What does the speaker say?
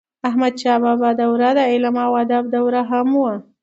احمدشاه بابا دوره د علم او ادب دوره هم وه.